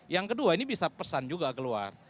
yang kedua ini bisa pesan juga keluar